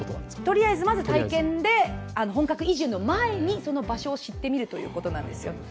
とりあえず、まず体験で、本格移住の前にその場所を知ってみるということなんですよ